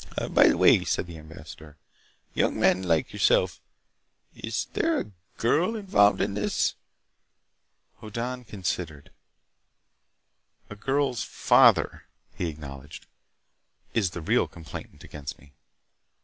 "By the way," said the ambassador. "Young men like yourself— Is there a girl involved in this?" Hoddan considered. "A girl's father," he acknowledged, "is the real complainant against me."